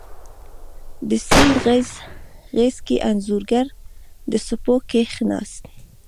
د سیند غیږ کې انځورګر د څپو کښېناست